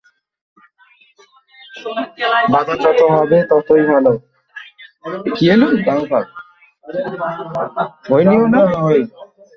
বাধা যত হবে, ততই ভাল।